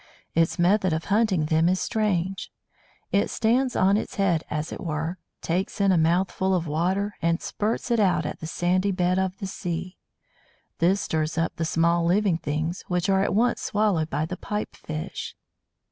Its method of hunting them is strange. It stands on its head, as it were, takes in a mouthful of water, and spurts it out at the sandy bed of the sea. This stirs up the small living things, which are at once swallowed by the Pipe fish.